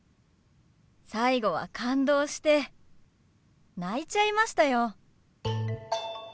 最後は感動して泣いちゃいましたよ。